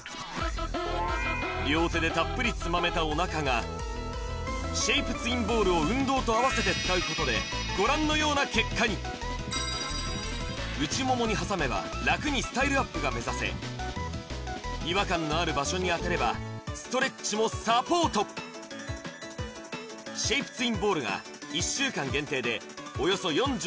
両手でたっぷりつまめたおなかがシェイプツインボールを運動とあわせて使うことでご覧のような結果に内ももに挟めばラクにスタイルアップが目指せ違和感のある場所にあてればストレッチもサポートシェイプツインボールが１週間限定でおよそ４６％